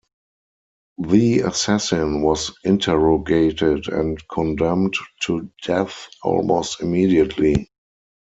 The assassin was interrogated and condemned to death almost immediately.